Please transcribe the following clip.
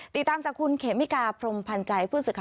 ติดตามจากคุณเขมิกาพรมพันธ์ใจผู้สื่อข่าว